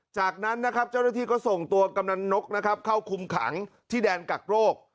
จากนั้นเจ้าหน้าที่ก็ส่งตัวกำนันต์นกเข้าคุมขังที่แดนกักโรค